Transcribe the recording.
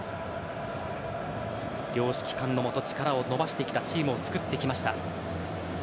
両指揮官のもと力を伸ばしてきた作ってきました。